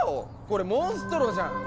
これモンストロじゃん！